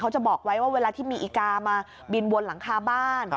จะบอกไว้ว่าเวลาที่มีอีกามาบินวนหลังคาบ้าน